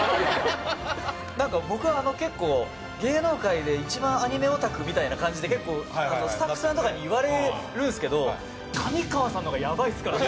なんか、僕、結構芸能界で一番アニメオタクみたいな感じで結構、スタッフさんとかに言われるんですけど上川さんの方がやばいですから。